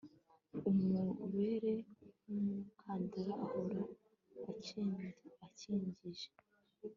umubere nk'umukandara ahora akindikije